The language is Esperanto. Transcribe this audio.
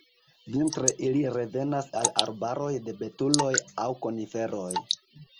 Vintre ili revenas al arbaroj de betuloj aŭ koniferoj.